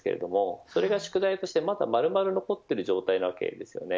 それが宿題としてまだまるまる残っている状態です。